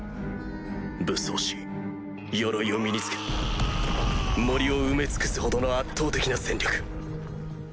武装し鎧を身に着け森を埋め尽くすほどの圧倒的な戦力。